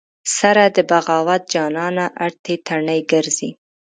سره د بغاوت جانانه ارتې تڼۍ ګرځې